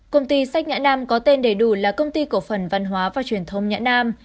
công ty sách nhã nam có tên đầy đủ là công ty cổ phần văn hóa và truyền thông nhã nam